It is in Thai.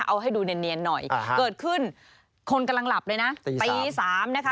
เอาให้ดูเนียนหน่อยเกิดขึ้นคนกำลังหลับเลยนะตี๓นะคะ